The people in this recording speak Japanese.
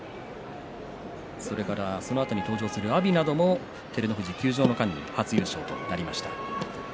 それから、そのあとに登場する阿炎なども照ノ富士休場の間に初優勝となりました。